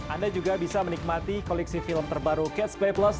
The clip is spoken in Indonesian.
anda juga bisa menikmati koleksi film terbaru catch play plus